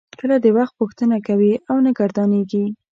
کله د وخت پوښتنه کوي او نه ګردانیږي.